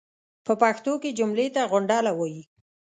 پۀ پښتو کې جملې ته غونډله وایي.